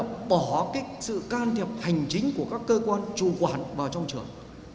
và bỏ cái sự can thiệp hành chính của các cơ quan chủ quản vào trong trường